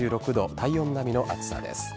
体温並みの暑さです。